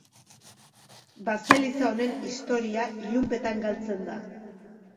Baseliza honen historia ilunpetan galtzen da.